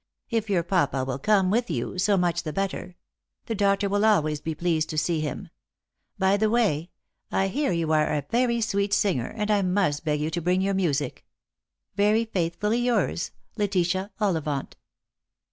If your papa will come with you, so much the better. The doctor will always be pleased to see him. " By the way, I hear you are a very sweet singer, and I must beg you to bring your music. " Yery faithfully yours, "Letitia Ollivant."